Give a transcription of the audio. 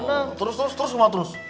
benar terus terus mau terus